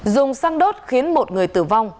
dùng xăng đốt khiến một người tử vong